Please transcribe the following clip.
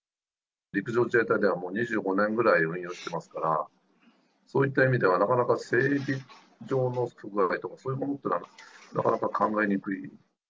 陸上自衛隊ではもう２５年ぐらい運用してますから、そういった意味では、なかなか整備場の不具合とか、そういうものっていうのは、なかなか考えにくい。